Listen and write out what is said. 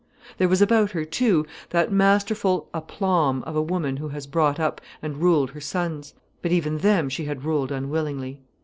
There was about her, too, that masterful aplomb of a woman who has brought up and ruled her sons: but even them she had ruled unwillingly.